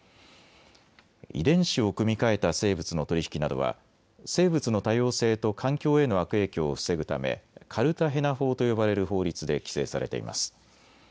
遺伝子を組み換えた生物の取り引きなどは生物の多様性と環境への悪影響を防ぐためカルタヘナ法と呼ばれる法律で規制されています。